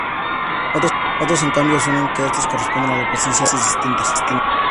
Otros, en cambio, asumen que esto corresponde a la presencia de especies distintas.